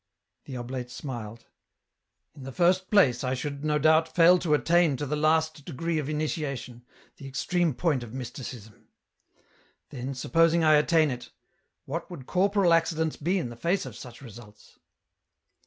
The oblate smiled. " In the first place I should, no doubt, fail to attain to the last degree of initiation, the extreme point of mysticism ; then, supposing I attain it, what would corporal accidents be in the face of such results